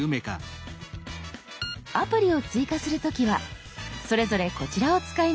アプリを追加する時はそれぞれこちらを使います。